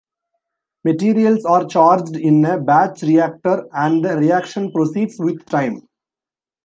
Materials are charged in a batch reactor, and the reaction proceeds with time.